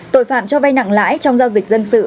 tội phạm cho vay nặng lãi trong giao dịch dân sự